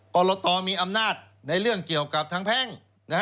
กรตมีอำนาจในเรื่องเกี่ยวกับทางแพ่ง